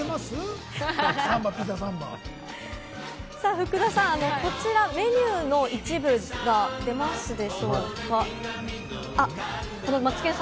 福田さん、こちらメニューの一部が出まして。